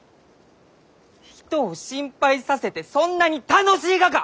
人を心配させてそんなに楽しいがか！？